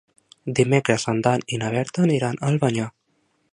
Dimecres en Dan i na Berta aniran a Albanyà.